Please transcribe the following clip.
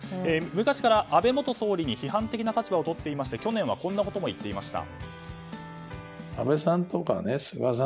昔から安倍元総理に批判的な立場をとっていて去年はこんなことも言っていました。